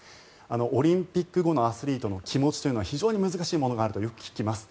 オリンピック後のアスリートの気持ちというのは非常に難しいものがあるとよく聞きます。